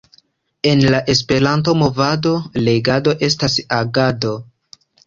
En la Esperanto-movado, legado estas agado!